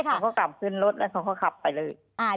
เขาก็กลับขึ้นรถแล้วเขาก็ขับไปเลย